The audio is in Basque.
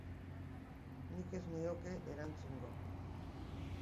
Nik ez nioke erantzungo